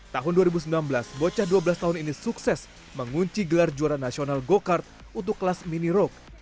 tahun dua ribu sembilan belas bocah dua belas tahun ini sukses mengunci gelar juara nasional go kart untuk kelas mini road